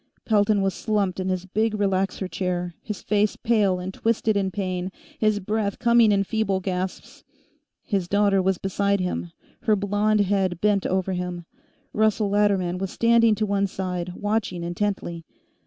Pelton was slumped in his big relaxer chair, his face pale and twisted in pain, his breath coming in feeble gasps. His daughter was beside him, her blond head bent over him; Russell Latterman was standing to one side, watching intently.